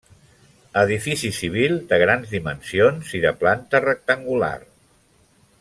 Edifici civil, de grans dimensions i de planta rectangular.